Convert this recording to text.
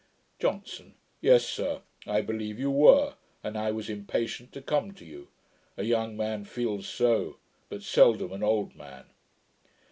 JOHNSON. 'Yes, sir; I believe you were; and I was impatient to come to you. A young man feels so, but seldom an old man.'